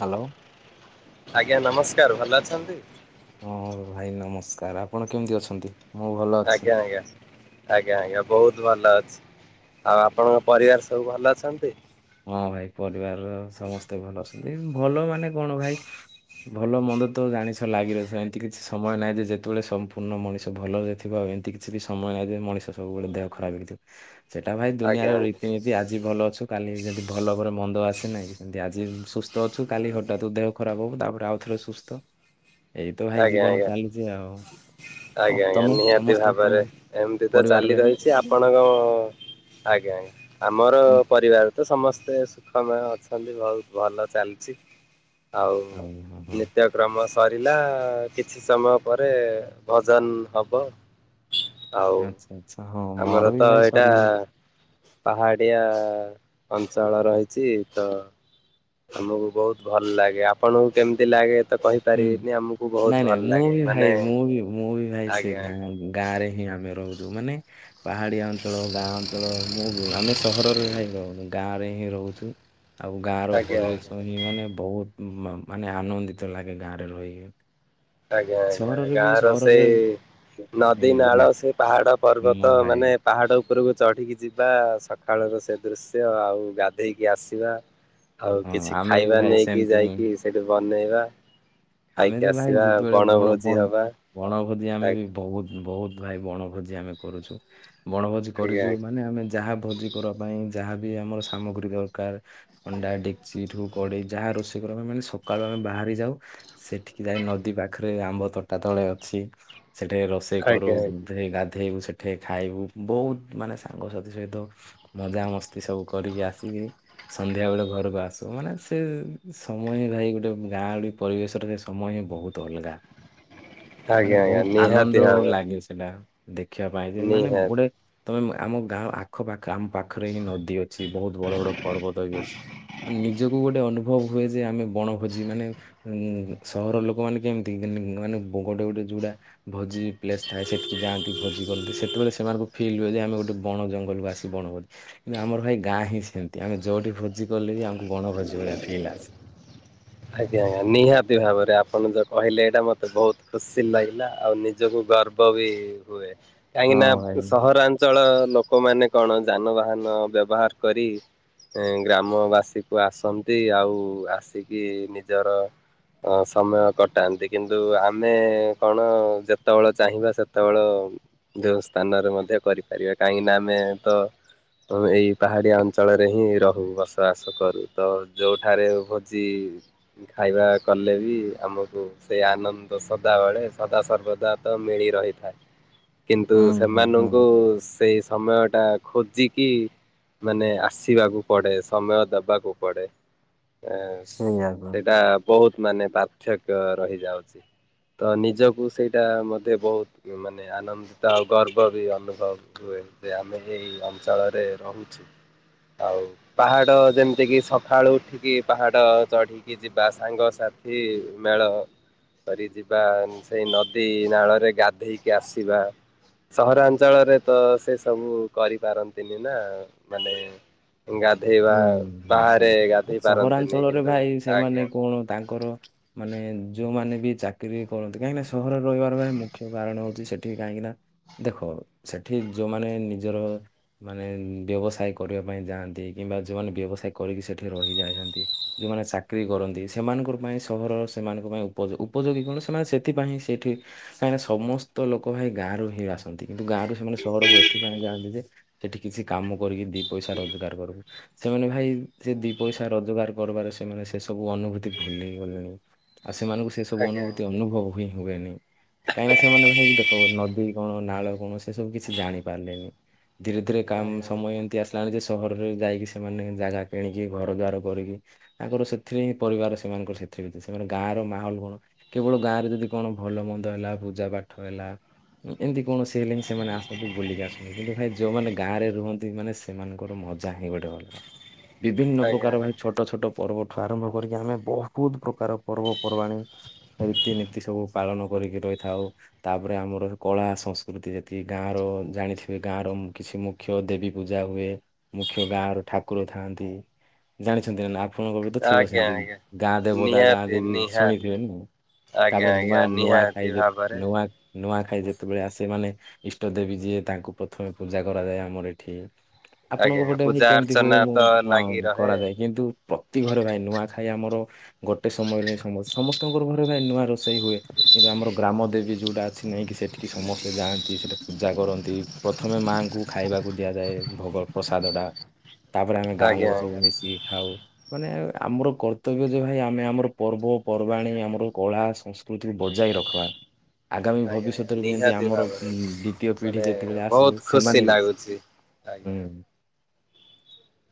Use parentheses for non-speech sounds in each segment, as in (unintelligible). Hello. ଆଜ୍ଞା ନମସ୍କାର। ଭଲ ଅଛନ୍ତି? ହଁ ଭାଇ ନମସ୍କାର। ଆପଣ କେମିତି ଅଛନ୍ତି? ମୁଁ ଭଲ ଅଛି। ଆଜ୍ଞା ଆଜ୍ଞା। ଆଜ୍ଞା ଆଜ୍ଞା ବହୁତ ଭଲ ଅଛି। ଆଉ ଆପଣଙ୍କ ପରିବାର ସବୁ ଭଲ ଅଛନ୍ତି? ହଁ ଭାଇ ପରିବାର ସମସ୍ତେ ଭଲ ଅଛନ୍ତି। ଭଲ ମାନେ କଣ ଭାଇ ଭଲ ମନ୍ଦ ତ ଜାଣିଛ ଲାଗିରହିଥିବା ଏମିତି କିଛି ସମୟ ନାହିଁ ଯେ ଯେତେବେଳେ ସମ୍ପୂର୍ଣ୍ଣ ମଣିଷ ଭଲରେ ଥିବ ଆଉ ଏମତି କି କିଛି ବି ସମୟନାଇ ଯେ ମଣିଷ ସବୁବେଳେ ଦେହ ଖରାପ ହେଇଥିବ। ସେଟା ଭାଇ ଆଜ୍ଞା ଦୁନିଆର ଆଜ୍ଞା। ରୀତିନୀତି ଆଜି ଭଲ ଅଛୁ କାଲି ଭଲ ପରେ ମନ୍ଦ ଆସେନାହିଁ କି ସେମିତି ଆଜି ସୁସ୍ଥ ଅଛୁ କାଲି ହଠାତ୍ ଦେହ ଖରାପ ହବ ତାପରେ ଆଉ ଥରେ ସୁସ୍ଥ ଏଇ ତ ଭାଇ ଆଜ୍ଞା ଜୀବନ ଆଜ୍ଞା ଚାଲିଛି ଆଉ। ହଉ ଆଜ୍ଞା ଆଜ୍ଞା ତମେ ନିହାତି ସମସ୍ତେ ତମ ଭାବରେ ଏମତି ତ ଚାଲି ପରିବାରରେ ରହିଛି ଆପଣଙ୍କ ଆଜ୍ଞା ଅଜ୍ଞା। ଆମର ତମ ପରିବାର ତ ସମସ୍ତେ ସୁଖମୟ ଅଛନ୍ତି ବହୁତ ଭଲ ଚାଲିଛି। ଆଉ ଓ ହଁ ହଁ। ନିତ୍ୟକ୍ରମ ସରିଲା କିଛି ସମୟ ପରେ ଭଜନ ହବ। ଆଉ ଆଚ୍ଛା ଆଚ୍ଛା ହଁ ମୋର ବି ଭାଇ ସରିଲାଣି। ପାହାଡ଼ିଆ ଅଞ୍ଚଳ ରହିଛି ତ ଆମକୁ ବହୁତ ଭଲ ଲାଗେ ଆପଣଙ୍କୁ କେମିତି ଲାଗେ ତ କହି ହୁଁ ନାଇଁ ନାଇଁ ମୁଁ ବି ଭାଇ ମୁଁ ବି ମୁଁ ବି ଭାଇ ସେ ଆଜ୍ଞା ଆଜ୍ଞା ଗାଁ ଗାଁ ରେ ହିଁ ଆମେ ରହୁଛୁ ମାନେ ପାହାଡିଆ ଅଞ୍ଚଳ ଗାଁ ଅଞ୍ଚଳ ମୁଁ ବି ଆମେ ସହରରେ ଭାଇ ରହୁନୁ ଗାଁରେ ହିଁ ରହୁଛୁ। ଆଉ ଗାଁ ର ଆଜ୍ଞା ଆଜ୍ଞା ପରିବେଶ ହିଁ ମାନେ ବହୁତ ମାନେ ଆନନ୍ଦିତ ଲାଗେ ଗାଁ ରେ ରହିକି। ଆଜ୍ଞା ଆଜ୍ଞା ସହରରେ ବି ଗାଁ ର ସହରରେ ସେଇ ଉଁ, ନଦୀ ନାଳ ମା- ସେ ପାହାଡ଼ ହଁ ପର୍ବତ ଭାଇ ମାନେ ପାହାଡ଼ ଉପରକୁ ଚଢ଼ିକି ଯିବା ସକାଳର ସେ ଦୃଶ୍ୟ ଆଉ ଗାଧେଇକି ଆସିବା। ଆଉ ହଁ କିଛି ଆମେ ବି ଖାଇବା ଭାଇ ନେଇକି ସେମିତି ହିଁ ଯାଇକି ସେଠି ବନେଇବା ଆମେ ଖାଇକି ତ ଆସି ଭାଇ ଥିବା ଯେତେବେଳେ ବଣ ବଣଭୋଜି ବଣ ହେବା ବଣଭୋଜି ଆମେ ବି ବହୁତ ବହୁତ ଭାଇ ବଣଭୋଜି ଆମେ କରୁଛୁ। ବଣଭୋଜି ଆଜ୍ଞା କରିଛୁ ମାନେ ଆମେ ଯାହା ଭୋଜି କରିବା ପାଇଁ ଯାହାବ ଆମର ସାମଗ୍ରୀ ଦରକାର। ହଣ୍ଡା ଡେକଚି ଠୁ କଡେଇ ଯାହା ରୋଷେଇ କରି ମାନେ ସକାଳୁ ଆମେ ବାହାରି ଯାଉ। ସେଠିକି ଯାଇ ନଦୀ ପାଖରେ ଆମ୍ବ ତୋଟା ତଳେ ଅଛି ସେଠି ରୋଷେଇ କରୁ। ଆଜ୍ଞା ଗାଧେଇବୁ ସେଠି ଖାଇବୁ ବହୁତ ମାନେ ସାଙ୍ଗସାଥି ସହିତ ମଜାାମସ୍ତି ସବୁ କରିକି ଆସିକି। ସନ୍ଧ୍ୟା ବେଳେ ଘରକୁ ଆଶୁ ମାନେ ସେ ସମୟ ନାହିଁ ଗୋଟେ ଗାଁ ଯୋଉ ପରିବେଶ। ସମୟ ହିଁ ବହୁତ ଅଲଗା ମାନେ ଆଜ୍ଞା ଆଜ୍ଞା ବହୁତ ନିହାତି ଆନନ୍ଦ ଭାବରେ ଲାଗେ ସେଟା। ଦେଖିବା ପାଇଁ ଯେ ମାନେ ନିହାତି ଗୋଟେ ତମେ ଆମ ଗାଁ ପାଖପଖ ଆମ ପାଖରେ ହିଁ ନଦୀ ଅଛି ବହୁତ ବଡ ବଡ ପର୍ବତ ବି ଅଛି ନିଜକୁ ଗୋଟେ ଅନୁଭବ ହୁଏ ଯେ ଆମେ ବଣଭୋଜି ମାନେ ଉ ସହରର ଲୋକମାନୋନେ କେମିତି ମାନେ ଗୋଟେ ଗୋଟେ ଯଉଡା ଭୋଜି ପ୍ଲେସ ଥାଏ ସେଠିକି ଯାଆନ୍ତି ଭୋଜି କରନ୍ତି ସେତେବେଳେ ସେମାନଙ୍କୁ ଫିଲ୍ ହୁଏ ଯେ ଆମେ ଗୋଟେ ବଣ ଜଙ୍ଗଲକୁ ଆସେ। ବଣଭୋଜି କିନ୍ତୁ ଆମର ଭାଇ ଗାଁ ହିଁ ସେମିତି ଆମେ ଯୋଉଠି ଭୋଜି କଲେ ବି ଆମକୁ ବଣ ଭୋଜି ଭଳିଆ ଫିଲି ଆସେ। ଆଜ୍ଞା ଆଜ୍ଞା ନିହାତି ଭାବରେ ଆପଣ ଯଉ କହିଲେ ଏଇଟା ମୋତେ ବହୁତ ଖୁସି ଲାଗିଲା ଆଉ ନିଜକୁ ଗର୍ବ ବି ହୁଏ କାହିଁକି ହଁ ନା ଭାଇ ସହରାଞ୍ଚ ଅଞ୍ଚଳ ଲୋକମାନୋନ କଣ ଯାନବାହାନ ବ୍ୟବହାର କରି ଗ୍ରାମ ବାସୀକୁ ଆସନ୍ତି ଆଉ ଆସିକି ନିଜର ଅ ସମୟ କଟାନ୍ତି କିନ୍ତୁ ଆମେ କଣ ଯେତେବେଳେ ଚାହିଁବା ସେତେବେଳ ଯେଉଁ ସ୍ଥାନରେ ମଧ୍ୟ କରିପାରିବା କାହିଁକିନା ଆମେ ତ ଏଇ ପାହାଡିଆ ଅଞ୍ଚଳରେ ହିଁ ରହୁ ବସବାସ କରୁ ତ ଯୋଉଠାରେ ଚି। ଖାଇବା କଲେ ବି ଆମକୁ ସେଇ ଆନନ୍ଦ ସଦାବେଳେ ସଦା ସର୍ବଦା ତ ମିଳି ରହିଥାଏ କିନ୍ତୁ ହୁଁ ହୁଁ ହୁଁ ସେମାନଙ୍କୁ ସେଇ ସମୟ ଟା ଟା ଖୋଜିକି ମାନେ ଆସିବାକୁ ପଡେ ସମୟ ଦବାକୁ ପଡେ। ଏ ସେଇଆ ପା। ସେଇଟା ବହୁତ ମାନେ ପାର୍ଥକ୍ୟ ରହିଯାଉଛି। ତ ନିଜକୁ ସେଇଟା ମତେ ବହୁତ ମାନେ ଆନନ୍ଦିତ ଆଉ ଗର୍ବ ବି ଅନୁଭବ ହୁଏ ଯେ ଆମେ ଏଇ ଅଞ୍ଚଳରେ ରହୁଛୁ। ଆଉ ପାହାଡ଼ ଯେମିତିକି ସକାଳୁ ଉଠିକି ପାହାଡ଼ ଚଢ଼ିକି ଯିବା ସାଙ୍ଗସାଥି ମେଳ କରି ଯିବା ସେଇ ନଦୀ ନାଳରେ ଗାଧେଇକି ଆସିବା। ସହରାଞ୍ଚଳରେ ତ ସେ ସବୁ କରିପାରନ୍ତିନି ନା ମାନେ ଗାଧୋଇବା ହୁଁ ଭାଇ ବାହାରେ ସେଇଟା ଆଉ ଗାଧୋଇ ପାରନ୍ତିନି ସହରାଞ୍ଚଳରେ କିନ୍ତୁ ଭାଇ ସେମାନେ ଆଜ୍ଞା। କଣ ତାଙ୍କର ମାନେ ଯୋଉମାନେ ବି ଚାକିରି କରନ୍ତି କାହିଁକିନା ସହରରେ ରହିବାର ଭାଇ ମୁଖ୍ୟ କାରଣ ହୋଉଛି ସେଠି କାହିଁକିନା ଦେଖ ସେଠି ଯୋଉମାନେ ନିଜର ମାନେ ବ୍ୟବସାୟ କରିବା ପାଇଁ ଯାଆନ୍ତି କିମ୍ବା ଯୋଉମାନେ ବ୍ୟବସାୟ କରିକି ସେଠି ରହି ଯାଇଛନ୍ତି ଯୋଉମାନେ ଚାକିରୀ କରନ୍ତି ସେମାନଙ୍କ ପାଇଁ ସହରର ସେମାନଙ୍କ ପାଇଁ ଉପଯୋ ଉପଯୋଗୀ କଣ ସେମାନେ ସେଥିପାଇଁଁ ସେଠି କାହିଁକିନା ସମସ୍ତ ଲୋକ ଭାଇ ଗାଁରୁ ହିଁ ଆସନ୍ତି କିନ୍ତୁ ଗାଁରୁ ସେମାନେ ସହରକୁ ଏଥିପାଇଁ ଯାଆନ୍ତି ଯେ ସେଠି କିଛି କାମ କରିକି ଦି ପଇସା ରୋଜଗାର କରିବୁ। ସେମାନେ ଭାଇ ସେ ଦି ପଇସା ରୋଜଗାର କରିବାରେ ସେମାନେ ସେ ସବୁ ଅନୁଭୂତି ଭୁଲି ଗଲେଣି। ଆଉ ସେମାନଙ୍କୁ ସେ ସବୁ ଆଜ୍ଞା ଅନୁଭୂତି ଅନୁଭବ ହିଁ ହୁଏନି। କାହିଁକିନା ସେମାନେ ଭାଇକି ଦେଖ ନଦୀ କଣ ନାଳ କଣ ସେ ସବୁ କିଛି ଜାଣି ପାରିଲେନି। ଧୀରେ ଧୀରେ କାମ ଆଜ୍ଞା ସମୟ ଏମିତି ଆସିଲାଣି ଯେ ସହରରେ ଯାଇକି ସେମାନେ ଜାଗା କିଣିକି ଘର ଦ୍ୱାର କରିକି ତାଙ୍କର ସେଥିରେ ହିଁ ପରିବାର ସେମାନଙ୍କର ସେଥିରେ ବି ସେମାନେ ଗାଁର ମାହୋଲ କଣ କେବଳ ଗାଁ ରେ ଯଦି କଣ ଭଲ ମନ୍ଦ ହେଲା ପୂଜା ପାଠ ହେଲା ଏମିତି କୌଣସି ହେଲେ ହି ସେମାନେ ଆସନ୍ତି ବୁଲିକି ଆସନ୍ତି କିନ୍ତୁ ଭାଇ ଯୋଉମାନେ ଗାଁରେ ରୁହନ୍ତି ମାନେ ସେମାନଙ୍କର ମଜା ହିଁ ଗୋଟେ ଅଲଗା। ବିଭିନ୍ନ ଆଜ୍ଞା ଆଜ୍ଞା ପ୍ରକାର ଭାଇ ଛୋଟ ଛୋଟ ଛୋଟ ପର୍ବଠୁ ଆରମ୍ଭ କରିକି ଆମେ ବହୁତ ପ୍ରକାର ପର୍ବ ପର୍ବାଣୀ ରୀତିନୀତି ସବୁ ପାଳନ କରିକି ରହିଥାଉ। ତାପରେ ଆମର କଳା ସଂସ୍କୃତି ଯେତିକି ଗାଁ ର ଜାଣିଥିବେ ଗାଁର ମୁ କିଛି ମୁ ମୁଖ୍ୟ ଦେବୀ ପୂଜା ହୁଏ। ମୁଖ୍ୟ ଗାଁରେ ଠାକୁର ଥାଆନ୍ତି। ଜାଣିଛନ୍ତି ନା ନା ଆପଣଙ୍କ ବି ତ ଥିବ ଆଜ୍ଞା ସେମତି ଆଜ୍ଞା। ଗାଁ ଦେବଦା ଗାଁ ନିହାତି ଦେବୀ ନିହାତି ଶୁଣିଥିବେନା? ଆଜ୍ଞା ତାପରେ ନୂଆ ଆଜ୍ଞା ନୂଆ ନିହାତି ଖାଇ ଯେ ଭାବରେ ନୂଆ ନୂଆଖାଇ ଯେତେବେଳେ ଆସେ ମାନେ ଇଷ୍ଟ ଦେବୀ ଯିଏ ତାଙ୍କୁ ପ୍ରଥମେ ପୂଜା କରାଯାଏ ଆମର ଏଠି। ଆପଣଙ୍କ ଆଜ୍ଞା ପଟେ ଭାଇ ପୂଜା କେମିତି ହୁଏ ଅର୍ଚ୍ଚନା ମୁଁ ତ ଲାଗି ହଁ ରହେ କରାଯାଏ କିନ୍ତୁ ପ୍ରତି ଘରେ ଭାଇ ନୂଆ ଖାଇ ଆମର ଗୋଟେ ସମୟରେ ସମ ସମସ୍ତେ ସ୍ତଙ୍କ ଘରେ ଭାଇ ନୂଆ ରୋଷେଇ ହୁଏ। କିନ୍ତୁ ଆମର ଗ୍ରାମ ଦେବୀ ଯୋଉଟା ଅଛି ନାଇଁ କିି ସେଠିକି ସମସ୍ତେ ଯାଆନ୍ତି ସେଠି ପୂଜା କରନ୍ତି ପ୍ରଥମେ ମାଙ୍କୁ ଖାଇବାକୁ ଦିଆଯାଏ ଭୋଗ ପ୍ରସାଦ ଟା। ତାପରେ ଆମେ ଗାଁ ଆଜ୍ଞା ଲୋକ ସବୁ ଆଜ୍ଞା। ମିଶିକି ଖାଉ। ମାନେ ଆମର କର୍ତ୍ତବ୍ୟ ଯେ ଭାଇ ଆମେ ଆମର ପର୍ବପର୍ବାଣୀ ଆମର କଳା ସଂସ୍ ସ୍ମୃତି ବଜାଇ ରଖିବା। ଆଗାମୀ ଆଜ୍ଞା ଆଜ୍ଞା ଭବିଷ୍ୟତରେ ବି ଯେମିତି ନିହାତି ଆମର ଉ ଭାବରେ ଦ୍ଵିତୀୟ ମାନେ ପିଢି ଯେତେବେଳେ ବହୁତ ଆସିବ ଖୁସି ସେମାନେ ବି ଲାଗୁଛି। ହୁଁ ଆଜ୍ଞା ଆଜ୍ଞା।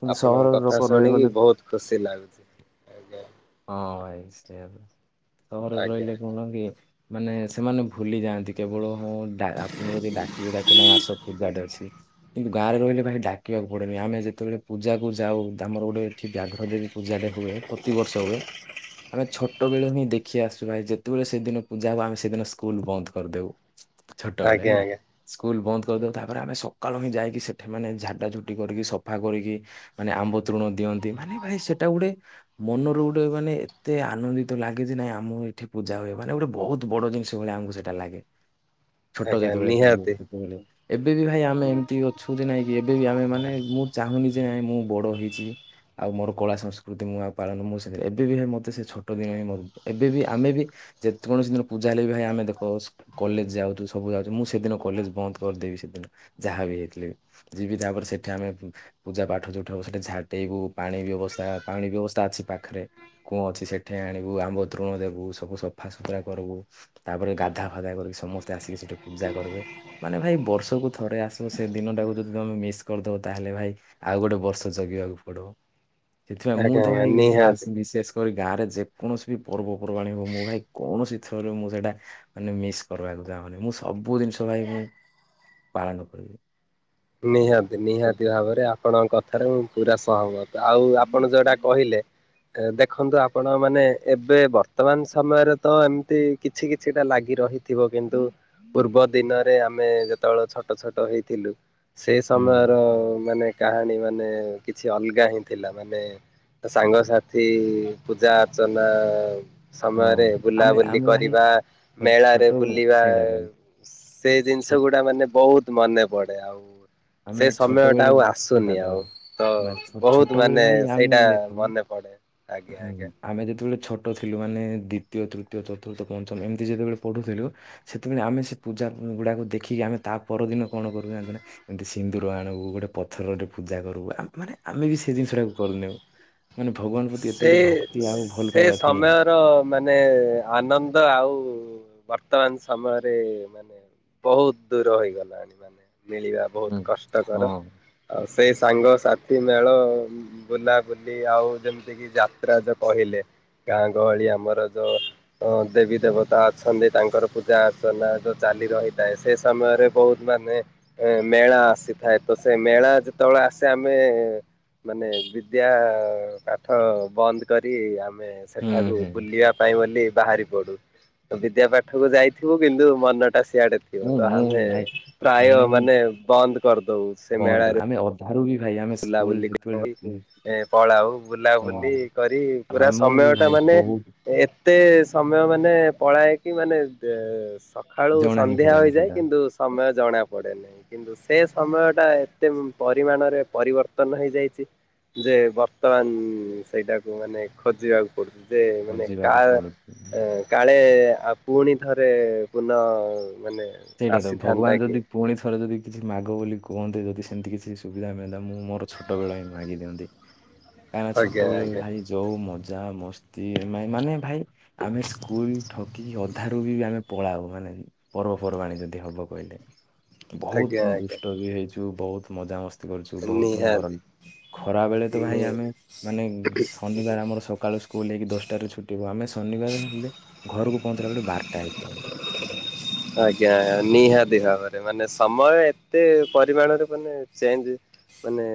କିନ୍ତୁ ଆପଣଙ୍କ ସହରର ଲୋକ କଥା ଶୁଣିକି ରହିଗଲେ ବହୁତ ଖୁସି ଲାଗୁଛି। ଆଜ୍ଞା ହଁ ଭାଇ ସେଇଆପା ସହରରେ ଆଜ୍ଞା ରହିଲେ କଣ କି ମାନେ ସେମାନେ ଭୁଲି ଯାଆନ୍ତି କେବଳ ହଁ ଡା ଆପଣ ଯଦି ଡାକିବେ ତାକୁ ନାହିଁ ଆସ ପୂଜାଟେ ଅଛି। କିନ୍ତୁ ଗାଁରେ ରହିଲେ ଭାଇ ଡାକିବାକୁ ପଡେନି ଆମେ ଯେ ଯେତେବେଳେ ପୂଜା କୁ ଯାଉ ଆମର ଗୋଟେ ଏଠି ବ୍ୟାଘ୍ର ଦେବୀ ପୂଜାଟେ ହୁଏ ପ୍ରତିିବର୍ଷ ହୁଏ ଆମେ ଛୋଟବେଳୁ ହିଁ ଦେଖି ଆସିଛୁ ଭାଇ ଯେତେବେଳେ ସେଦିନ ପୂଜା ହବ ଆମେ ସେଦିନ ସ୍କୁଲ ବନ୍ଦ କରିଦୋଉ। ଛୋଟବେଳେ ଆଜ୍ଞା ହେଲା। ଆଜ୍ଞା ସ୍କୁଲ ବନ୍ଦ କରିଦଉ। ତାପରେ ଆମେ ସକାଳୁ ହିଁ ଯାଇକି ସେଠି ମାନେ ଝାଡ଼ା ଝୁଡି କରିକି ସଫ ସଫା କରିକି ମାନେ ଆମ୍ବ ତୃଣ ଦିଅନ୍ତି ମାନେ ଭାଇ ସେଟା ଗୋଟେ ମନରୁ ଗୋଟେ ମାନେ ଏତେ ଆନନ୍ଦିତ ଲାଗେ ଯେ ନାଇଁ ଆମର ଏଠି ପୂଜା ହୁଏ। ମାନେ ଗୋଟେ ବହୁତ ବଡ ଜିନିଷ ଭଳିଆ ଆମକୁ ସେଠ ଲାଗେ ଛୋଟ ଆଜ୍ଞା ଯେତେବେଳେ ଥିଲୁ। ନିହାତି। ବେଳୁ ଏବେ ବି ଭାଇ ଆମେ ଏମିତି ଅଛୁ ଯେ ନାଇଁକି ଏବେ ବି ଆମେ ମାନେ ମୁଁ ଚାହୁଁନି ଯେ ନାଇଁ ମୁଁ ବଡ ହେଇଛି ଆଉ ମୋର କଳା ସଂସ୍କୃତି ମୁଁ ଆଉ ପାଳନ ମୁଁ ସେଥିରେ ଏବେ ବି ହେ ମୋତେ ସେ ଛୋଟ ଦିନ ହିଁ ଏବେ ବି ଆମେ ବି ଯେତ କୌଣସି ଦିନ ପୂଜା ହେଲେ ବି ଭାଇ ଆମେ ଦେଖ କଲେଜ ଯାଉଛୁ ସବୁ ଯାଉଛୁ ମୁଁ ସେଦିନ କଲେଜ ବନ୍ଦ କରିଦେବି ସେଦିନ ଯାହା ବିି ହେଇଥିଲେ ବି। ଯିବି ତାପରେ ସେଠି ଆମେ ପୂଜା ପାଠ ଯୋଉଠ ସେଠି ଝାଟେଇବୁ। ପାଣି ବ୍ୟବସ୍ଥା ପାଣି ବ୍ୟବସ୍ଥା ଅଛି ପାଖରେ। କୁଅ ଅଛି ସେଠି ଆଣିବୁ ଆମ୍ବତ୍ରୁଣ ଦବୁ। ସବୁ ସଫାସୁତୁରା କରବୁ। ତାପରେ ଗାଧା ଫାଧା କରିବି ସମସ୍ତେ ଆସକି ସେଠି ପୂଜା କରବେ। ମାନେ ଭାଇ ବର୍ଷକୁୁ ଥରେ ଆସବ, ସେ ଦିନ ଟାକୁ ଯଦି ତମେ ମିସ୍ କରିଦବ ତାହେଲେ ଭାଇ ଆଉ ଗୋଟେ ବର୍ଷ ଜଗିବାକୁ ପଡିବ, ସେଥିପାଇଁ ମୁଁ ଆଜ୍ଞା ତ ଆଜ୍ଞା ଭାଇ ନିହାତି। ଖାସ୍ ବିଶେଷ କରି ଗାଁରେ ଯେକୌଣସି ବି ପର୍ବପର୍ବାଣି ହଉ, ମୁଁ ଭାଇ କୌଣସି ଥରରେ ମୁଁ ସେଇଟା ମାନେ ମିସ୍ କରିବାକୁ ଚାହୁଁ ନି, ମୁଁ ସବୁ ଜିନିଷ ଭାଇ ମୁଁ ପାଳନ କରିବି। ନିହାତି ନିହାତି ଭାବରେ ଆପଣଙ୍କ କଥାରେ ମୁଁ ପୁରା ସହମତ। ଆଉ ଆପଣ ଯୋଉଟା କହିଲେ ଏ ଦେଖନ୍ତୁ ଆପଣ ମାନେ ଏବେ ବର୍ତ୍ତମାନ ସମୟରେ ତ ଏମତି କିଛି କିଛିଟା ଲାଗି ରହିଥିବ କିନ୍ତୁ ପୂର୍ବ ଦିନରେ ଆମେ ଯେତେବେଳେ ଛୋଟ ଛୋଟ ହେଇଥିଲୁ ସେ ହୁଁ ସମୟର ମାନେ କାହାଣୀ ମାନେ କିଛି ଅଲଗା ହିଁ ଥିଲା। ମାନେ ସାଙ୍ଗସାଥି ପୂଜା ଅର୍ଚ୍ଚନା। ସମୟରେ ହଁ ଆମେ ବୁଲାବୁଲି ଆମେ ଭାଇ କରିବା, ଛୋ- ମେଳାରେ ଛୋଟ ବୁଲିବା ସେଇଟା ତ ସେଇ ଛୋ ଜିନିଷ ଗୁଡା ମାନେ ବହୁତ ମନେ ପଡେ ଆଉ। ଆମେ ସେ ସମୟଟା ଛୋଟବେେଳେ ଆଉ ସେଇଟା ଆସୁନି ଦେବା, ଆଉ। ତ ବହୁତ ଛୋଟବେେଳେ ମାନେ ଭାଇ ଆମେ ସେଇଟା ଦେଖବା ମନେ ପଡେ ଆଜ୍ଞା ହୁଁ ଆଜ୍ଞା। ଆମେ ଯେତେବେଳେ ଛୋଟ ଟ ଥିଲୁ ମାନେ ଦ୍ୱିତୀୟ ତୃତୀୟ ଚତୁର୍ଥ ପଞ୍ଚମ ଏମିତି ଯେତେବେଳେ ପଢୁଥିଲୁ ସେତବେଳେ ଆମେ ସେ ପୂଜା ଗୁଡାକୁ ଦେଖିକି ଆମେ ତା ପରଦିନ କଣ କରିବୁ ଜାନ୍ତୁ ନା ଏମିତି ସିନ୍ଦୁର ଆଣବୁ, ଗୋଟେ ପଥରରେ ପୂଜା କରିବୁ ମାନେ ଆମେ ବି ସେ ଜିନିଷଟାକୁ କରିୁନେଉ। ମାନେ ଭଗବାନ ପ୍ରତି ଏତେ ସେ ଗୋଟେ ଭକ୍ତି ଆଉ ଭଲ ସେ ପାଇବା ଥିଲା। ସମୟର ମାନେ ଆନନ୍ଦ ଆଉ ବର୍ତ୍ତମାନ ସମୟରେ ମାନେ ବହୁତ ଦୂର ହେଇଗଲାଣି, ମାନେ ମିଳିବା ବହୁତ ହୁଁ କଷ୍ଟକର। ହଁ। ଆଉ ସେଇ ସାଙ୍ଗସାଥି ମେଳ, ବୁଲାବୁଲି ଆଉ ଯେମତି ଲି କି ଯାତ୍ରା ଯୋଉ କହିଲେ ଗାଁ ଗହଳି ଆମର ଯୋଉ ଅ ଦେବୀ ଦେବତା ଅଛନ୍ତି, ତାଙ୍କର ପୂଜା ଅର୍ଚ୍ଚନା ଯୋଉ ଚାଲି ରହିଥାଏ ସେ ସମୟରେ ବହୁତ ମାନେ ମେଳା ଆସିଥାଏ, ତ ସେ ମେଳା ଯେତେବେଳେ ଆସେ ଆମେ ମାନେ ବିଦ୍ୟା ପାଠ ବନ୍ଦ କରି ଆମେ ହୁଁ ସେଠାକୁ ହୁଁ ବୁଲିବା ପାଇଁ ବୋଲି ବାହାରି ପଡୁ। ବିଦ୍ୟା ପାଠକୁ ଯାଇଥିବୁ କିନ୍ତୁ ମନ ଟା ସିଆଡେ ଥିବ ମୁଁ ତ ମୁଁ ଆମେ ବି ଭାଇ ପ୍ରାୟ ମାନେ ବନ୍ଦ କରିଦଉ ସେ ମେଳାରେ ଧାରୁ ବି ଭାଇ ଆମେ ସ୍କୁଲ ବୁଲାବୁଲି ଯେତେବେଳେ କରି ଏ ପଳାଉ ବୁଲାବୁଲି ହଁ କରି ପୁରା ଆମକୁ ବି ସମୟ ଟା ଭାଇ ମାନେ ବହୁତ ଏତେ ସମୟ ମାନେ ପଳାଏ କି ମାନେ ସ ଆଳୁ ଜଣା ହିଁ ସନ୍ଧ୍ୟା ପଡେନି ହୋଇଯାଏ ସେଟା କିନ୍ତୁ ସମୟ ଜଣାପଡ଼େ ନାହିଁ କିନ୍ତୁ ସେ ସମୟଟା ଏତେ ପରିମାଣରେ ପରିବର୍ତ୍ତନ ହେଇଯାଇଚି ଯେ ବର୍ତ୍ତମାନ ସେଇଟାକୁ ମାନେ ଖୋଜିବାକୁ କରୁତେ ମାନେ କା ହଜିବାକୁ ପଡୁଛି। କାଳେ ଆଉ ପୁଣି ଥରେ ପୁନଃ ମାନେ ସେଇଟା ତ ଆସିଥାନ୍ତା ଭଗବାନ କି ଯଦି ପୁଣି ଥରେ ଯଦି କିଛି ମାଗ ବୋଲି କୁହନ୍ତି, ଯଦି ସେମିତି କିଛି ସୁବିଧା ମିଅନ୍ତା ମୁଁ ମୋର ଛୋଟବେଳ ହିଁ ମାଗି ଦିଅନ୍ତି। (inaudible) କାହିଁକିନା ଛୋଟ ବେଳରୁ ଆଜ୍ଞା ଭାଇ ଯୋଉ ମଜା ମସ୍ତି ମା ମାନେ ଭାଇ ଆମେ ସ୍କୁଲ ଠକିକି ଅଧାରୁ ବି ଆମେ ପଳାଉ ମାନେ ପର୍ବ ପରବାଣୀ ଯଦି ହବ କହିଲେ ଆଜ୍ଞା ବହୁତ ଆଜ୍ଞା ଦୁଷ୍ଟ ବି ହେଇଚୁ, ବହୁତ ମଜାମସ୍ କରିୁଛୁ ବହୁତ ତୁ ଘର ନିହାତି ଖରା ବେଳେ ତ ଭାଇ ନି ଆମେ ମାନେ ଶନିବାର ଆମର ସକାଳୁ ହେଇ କି ଦଶଟାରେ ଛୁଟି ହବ। ଆମେ ଶନିବାର ହେଲେ ଘରକୁ ପହଞ୍ଚିଲା ବେଳେ ବାରଟା ହେଇଯିବ ଆଉ। (inaudible) ଆଜ୍ଞା ନିହାତି ଭାବରେ ମାନେ ସମୟ ଏତେ ପରିମାଣରେ ମାନେ ଚେଞ୍ଜ ମାନେ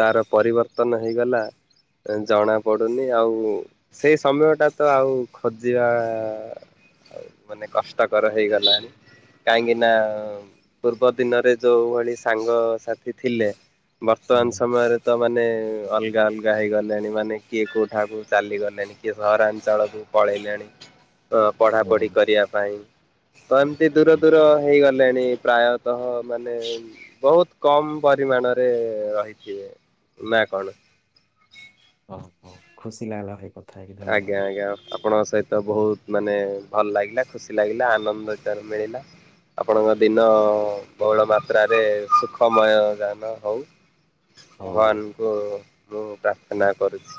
ତାର ପରିବର୍ତ୍ତନ ହେଇଗଲା ଜଣା ପଡୁନି ଆଉ ସେଇ ସମୟଟା ତ ଆଉ ଖୋଜିବା ଆ ମାନେ କଷ୍ଟକର ହେଇଗଲାଣି କାହିଁକି ନା ପୂର୍ବ ଦିନରେ ଯୋଉ ଭଳି ସାଙ୍ଗସାଥି ଥିଲେ ବର୍ତ୍ତମାନ ହୁଁ ସମୟରେ ତ ମାନେ ଅଲଗା ଅଲଗା ହେଇଗଲେଣି ମାନେ କିଏ କୋଉଠାକୁ ଚାଲିଗଲେଣି କିଏ ସହରାଞ୍ଚଳକୁୁ ପଳେଇଲେଣି ତ ପଢା ପଢି କରିବା ପାଇଁ ତ ଏମିତି ଦୂର ହୁଁ ଦୂର ହେଇଗଲେଣି ପ୍ରାୟତଃ ମାନେ ବହୁତ କମ ପରିମାଣରେ ରହିଥିବେ ନା କଣ! ଓ ହୋ ଖୁସି ଲାଗିଲା ଭାଇ କ ଆଜ୍ଞା ଆଜ୍ଞା। ଆପଣଙ୍କ ସହିତ ବହୁତ ମାନେ ଭଲ ଲାଗିଲା ଖୁସି ଲାଗିଲା ଆନନ୍ଦ (unintelligible) ମିଳିଲା। ଆପଣଙ୍କ ଦିନ ବହୁଳ ମାତ୍ରାରେ ସୁଖମୟ ଯାନ ହଉ। ହଉ ଭାଇ ଭବାନଙ୍କୁ ମୁଁ ପ୍ରାର୍ଥନା କରୁଛି।